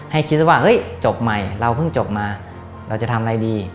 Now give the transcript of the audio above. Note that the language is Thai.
ให้คิดว่าเฮ้ยจบใหม่เราเพิ่งจบมาเราจะทำอะไรดี